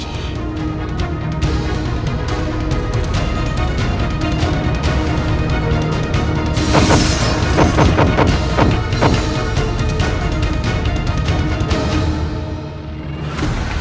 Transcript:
kamu berada raih